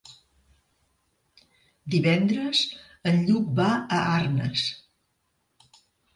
Divendres en Lluc va a Arnes.